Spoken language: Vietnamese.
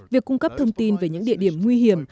việc cung cấp thông tin về những địa điểm nguy hiểm